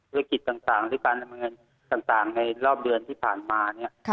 กิจต่างหรือการดำเนินต่างในรอบเดือนที่ผ่านมาเนี่ย